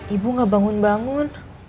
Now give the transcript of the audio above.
ibu gak bangun bangun